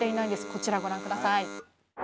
こちらご覧下さい。